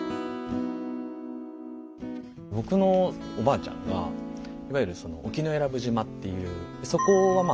僕のおばあちゃんがいわゆるその沖永良部島っていうそこはまあ